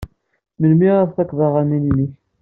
Melmi ara tfaked aɣan-nnek?